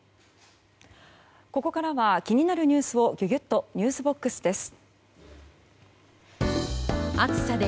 ここからは気になるニュースをギュギュッとｎｅｗｓＢＯＸです。